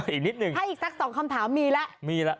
อีกนิดนึงให้อีกสัก๒คำถามมีแล้ว